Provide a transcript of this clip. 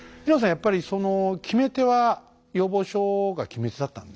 やっぱりその決め手は要望書が決め手だったんですか？